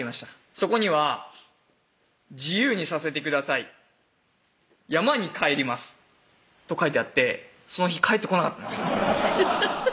そこには「自由にさせてください」「山に帰ります」と書いてあってその日帰ってこなかったんですフフフフッ